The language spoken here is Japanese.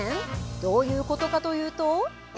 どういうことかというと。